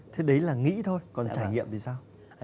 thế đấy là nghĩ thôi còn trải nghiệm vì sao